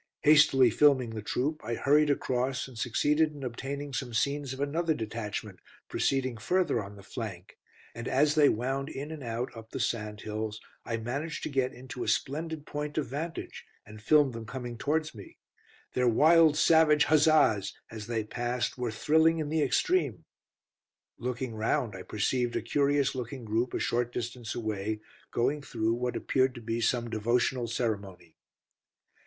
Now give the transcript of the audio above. Hastily filming the troop, I hurried across and succeeded in obtaining some scenes of another detachment proceeding further on the flank, and as they wound in and out up the sand hills, I managed to get into a splendid point of vantage, and filmed them coming towards me. Their wild savage huzzas, as they passed, were thrilling in the extreme. Looking round, I perceived a curious looking group a short distance away, going through what appeared to be some devotional ceremony.